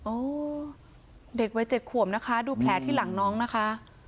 เด็กวัย๗ขวบนะคะดูแผลที่หลังน้องนะคะ